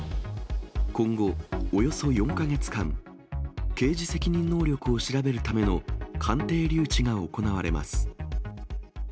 今後、およそ４か月間、刑事責任能力を調べるための鑑定留置が行われます。